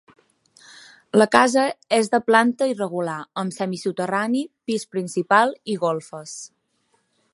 La casa és de planta irregular amb semisoterrani, pis principal i golfes.